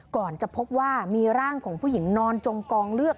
ก่อนจะพบว่ามีร่างของผู้หญิงนอนจมกองเลือด